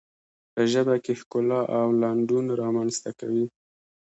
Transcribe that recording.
په ژبه کې ښکلا او لنډون رامنځته کوي.